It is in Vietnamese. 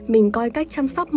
mình coi cách chăm sóc